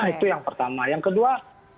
itu yang pertama yang kedua